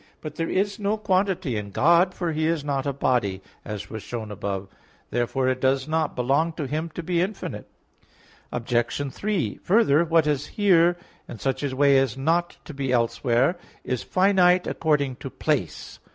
But there is no quantity in God, for He is not a body, as was shown above (Q. 3, A. 1). Therefore it does not belong to Him to be infinite. Obj. 3: Further, what is here in such a way as not to be elsewhere, is finite according to place.